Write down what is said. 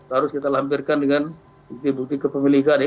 harus kita lampirkan dengan bukti bukti kepemilikan ya